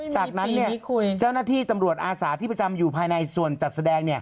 จากนั้นเจ้าหน้าที่ตำรวจอาสาที่ประจำอยู่ภายในส่วนจัดแสดง